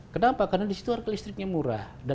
kenapa karena di situ listriknya murah